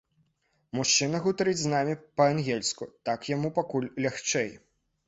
Мужчына гутарыць з намі па-ангельску, так яму пакуль лягчэй.